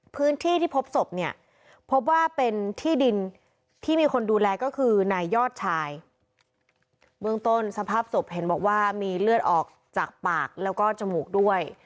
พื้นที่ที่พบศพเนี่ยพบว่าเป็นที่ดินที่มีคนดูแลก็คือนายยอดชายเบื้องต้นสภาพศพเห็นบอกว่ามีเลือดออกจากปากแล้วก็จมูกด้วย